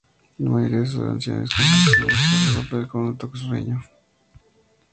La mayoría de sus canciones consisten de música gospel, con un toque sureño.